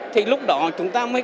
thì lúc đó chúng ta mới